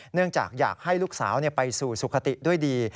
เนื่องจากอยากให้ลูกสาวไปสู่สุขติด้วยดี